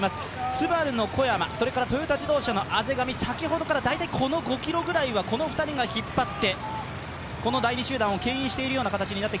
ＳＵＢＡＲＵの小山、それからトヨタ自動車の畔上、先ほどから大体この５ｋｍくらいは、この２人が引っ張ってこの第２集団をけん引しているような形です。